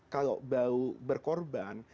kalau baru berkorban